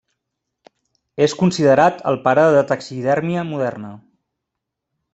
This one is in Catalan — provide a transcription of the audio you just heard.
És considerat el pare de taxidèrmia moderna.